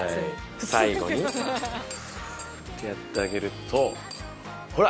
最後にフーってやってあげるとほら！